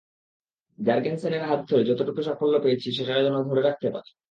জার্গেনসেনের হাত ধরে যতটুকু সাফল্য পেয়েছি সেটা যেন ধরে রাখতে পারি।